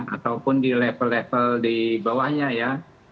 ataupun di level level di bawahnya ya